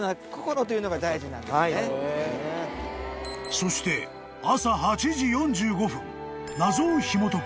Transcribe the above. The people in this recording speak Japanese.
［そして朝８時４５分謎をひもとく